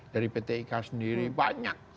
dari pt ika sendiri banyak